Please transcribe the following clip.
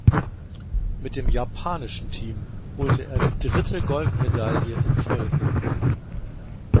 Mit dem japanischen Team holte er die dritte Goldmedaille in Folge.